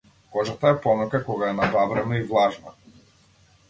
Кожата е помека кога е набабрена и влажна.